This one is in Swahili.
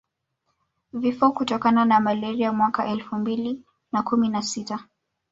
Vifo kutokana na malaria mwaka elfu mbili na kumi na sita